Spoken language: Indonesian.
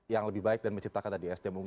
yang lebih baik dan menciptakan tadi sdm